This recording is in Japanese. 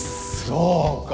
そうかあ。